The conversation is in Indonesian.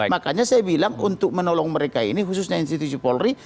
makanya saya bilang untuk menolong mereka ini khususnya institusi polri